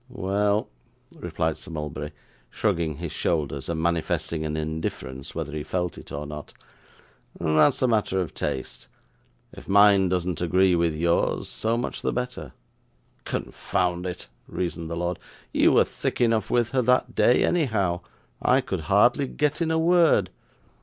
'Well,' replied Sir Mulberry, shrugging his shoulders and manifesting an indifference, whether he felt it or not; 'that's a matter of taste; if mine doesn't agree with yours, so much the better.' 'Confound it!' reasoned the lord, 'you were thick enough with her that day, anyhow. I could hardly get in a word.